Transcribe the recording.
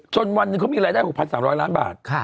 จนวันนึงเขามีรายได้๖๓๐๐ล้านบาทค่ะ